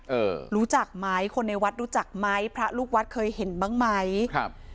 เออรู้จักไหมคนในวัดรู้จักไหมพระลูกวัดเคยเห็นบ้างไหมครับ